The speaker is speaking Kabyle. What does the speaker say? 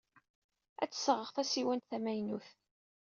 Ad d-sɣeɣ tasiwant tamaynut.